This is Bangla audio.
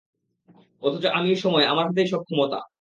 অথচ আমিই সময়, আমার হাতেই সব ক্ষমতা।